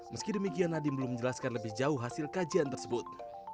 meski demikian nadiem belum menjelaskan lebih jauh hasil kajian tersebut